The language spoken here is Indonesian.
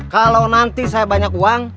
kalau nanti saya banyak uang